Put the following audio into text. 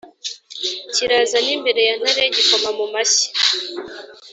Kiraza n’imbere ya ntare gikoma mu mashyi